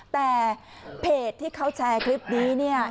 แต่เพจที่เขาแชร์คลิปนี้เนี่ย